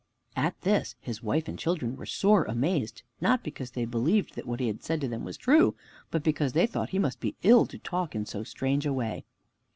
At this his wife and children were sore amazed, not because they believed that what he had said to them was true, but because they thought he must be ill to talk in so strange a way.